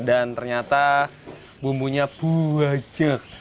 dan ternyata bumbunya buah